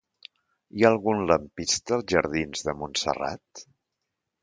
Hi ha algun lampista als jardins de Montserrat?